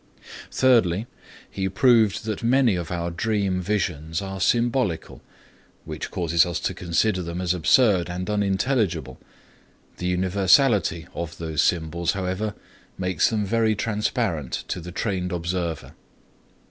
Thirdly, he proved that many of our dream visions are symbolical, which causes us to consider them as absurd and unintelligible; the universality of those symbols, however, makes them very transparent to the trained observer.